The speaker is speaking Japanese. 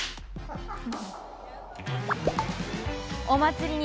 お祭りに！